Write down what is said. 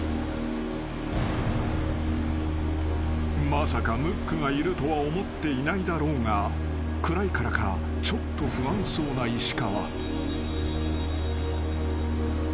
［まさかムックがいるとは思っていないだろうが暗いからかちょっと不安そうな石川］